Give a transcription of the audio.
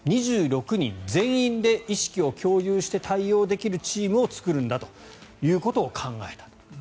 ２６人全員で意識を共有して対応できるチームを作るんだということを考えたと。